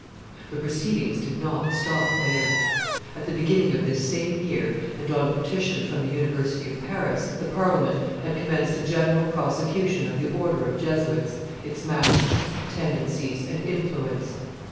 The proceedings did not stop there. At the beginning of this same year, and on petition from the University of Paris, the Parliament had commenced a general prosecution of the order of Jesuits, its maxims, tendencies, and influence.